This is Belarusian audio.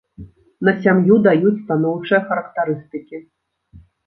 На сям'ю даюць станоўчыя характарыстыкі.